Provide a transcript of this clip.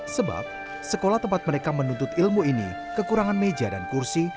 sebab sekolah tempat mereka menuntut ilmu ini kekurangan meja dan kursi